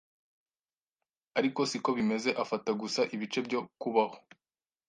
ariko siko bimeze afata gusa ibice byo kubaho